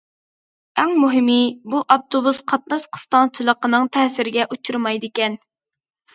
ئەڭ مۇھىمى بۇ ئاپتوبۇس قاتناش قىستاڭچىلىقىنىڭ تەسىرىگە ئۇچرىمايدىكەن.